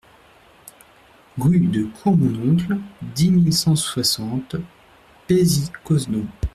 Rue de Courmononcle, dix mille cent soixante Paisy-Cosdon